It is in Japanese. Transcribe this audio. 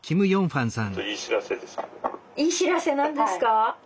良い知らせなんですか？